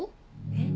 えっ？